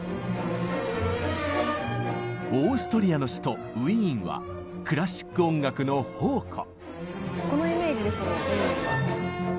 オーストリアの首都ウィーンはクラシック音楽の宝庫。